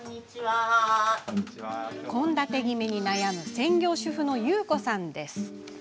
献立ぎめに悩む専業主婦のゆうこさんです。